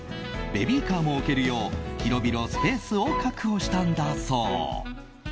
ベビーカーも置けるよう広々スペースを確保したんだそう。